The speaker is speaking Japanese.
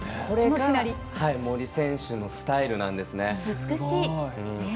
これが森選手のスタイルなんですよ。